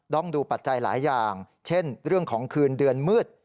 ต้องดูปัจจัยหลายอย่างเช่นเรื่องของคืนเดือนมืด